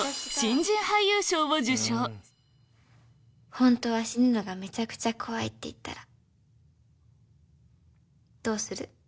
本当は死ぬのがめちゃくちゃ怖いって言ったらどうする？